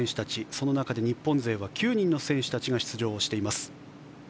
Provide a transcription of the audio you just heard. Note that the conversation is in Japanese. その中で日本勢は９人の選手たちが出場しています。